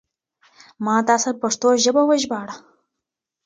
ما دا اثر په پښتو ژبه وژباړه.